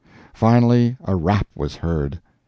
Finally a rap was heard.